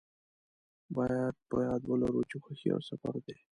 باید په یاد ولرو چې خوښي یو سفر دی.